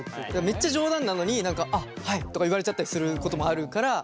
めっちゃ冗談なのに「あっはい」とか言われちゃったりすることもあるから。